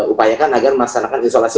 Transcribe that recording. upayakan agar memasarkan isolasi